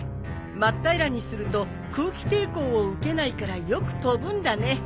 真っ平らにすると空気抵抗を受けないからよく飛ぶんだね。